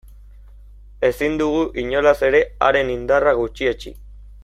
Ezin dugu, inolaz ere, haren indarra gutxietsi.